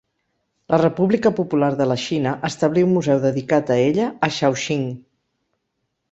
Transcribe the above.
La República Popular de la Xina establí un museu dedicat a ella a Shaoxing.